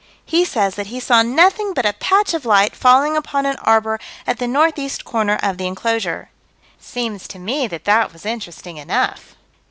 He says that he saw nothing but a patch of light falling upon an arbor at the northeast corner of the enclosure. Seems to me that that was interesting enough.